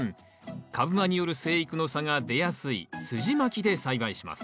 株間による生育の差が出やすいすじまきで栽培します。